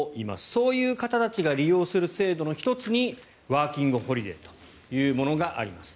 そういう方たちが利用する制度の１つにワーキングホリデーというものがあります。